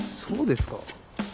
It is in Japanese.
そうですか？